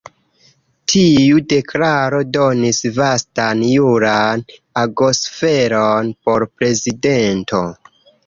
Tiu deklaro donis vastan juran agosferon por prezidento..